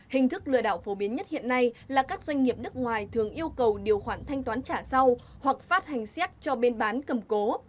hình thức lừa đảo phổ biến nhất hiện nay là các doanh nghiệp nước ngoài thường yêu cầu điều khoản thanh toán trả sau hoặc phát hành xét cho bên bán cầm cố